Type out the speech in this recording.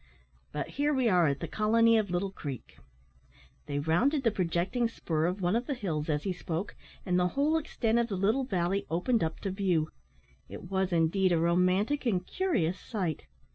But here we are at the colony of Little Creek." They rounded the projecting spur of one of the hills as he spoke, and the whole extent of the little valley opened up to view. It was indeed a romantic and curious sight.